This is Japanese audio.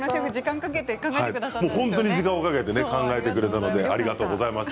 本当に時間をかけて考えてくれたのでありがとうございます。